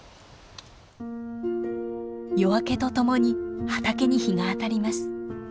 夜明けとともに畑に日が当たります。